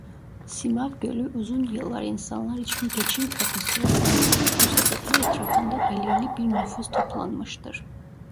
Simav Gölü uzun yıllar insanlar için geçim kapısı olmuştur bu sebeple etrafında belirli bir nüfus toplanmıştır.